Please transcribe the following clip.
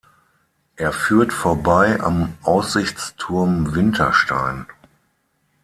Er führt vorbei am Aussichtsturm "Winterstein".